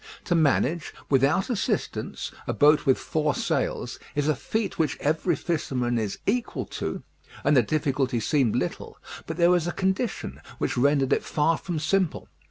To manage, without assistance, a boat with four sails, is a feat which every fisherman is equal to, and the difficulty seemed little; but there was a condition which rendered it far from simple.